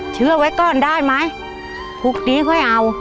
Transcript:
เชื้อไว้ก่อนได้ไหมพวกนี้ค่อยเอา